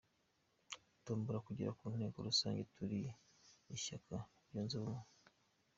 Tugomba kugera mu nteko rusange turi ishyaka ryunze ubumwe.